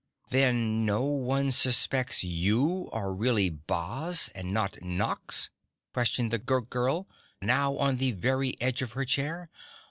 "Then no one suspects you are really Boz and not NOX?" questioned the Goat Girl, now on the very edge of her chair.